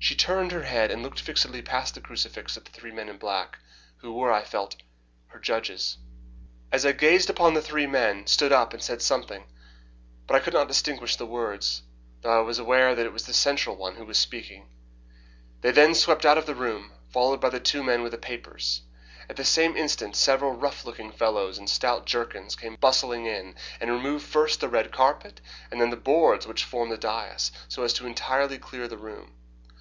She turned her head and looked fixedly past the crucifix at the three men in black, who were, I felt, her judges. As I gazed the three men stood up and said something, but I could distinguish no words, though I was aware that it was the central one who was speaking. They then swept out of the room, followed by the two men with the papers. At the same instant several rough looking fellows in stout jerkins came bustling in and removed first the red carpet, and then the boards which formed the dais, so as to entirely clear the room.